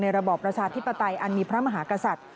ระบอบประชาธิปไตยอันมีพระมหากษัตริย์